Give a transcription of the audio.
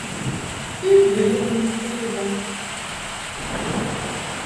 I bɨni mɨ ŋkwe baŋ.